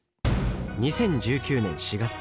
２０１９年４月。